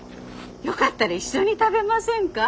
よかったら一緒に食べませんか？